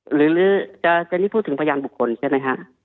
หรือจะนี่พูดถึงพยานบุคคลใช่ไหมฮะ